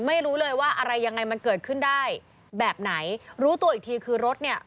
ไม่รู้เลยว่าอะไรยังไงมันเกิดขึ้นได้แบบไหนรู้ตัวอีกทีคือรถเนี่ย